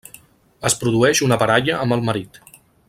Es produeix una baralla amb el marit.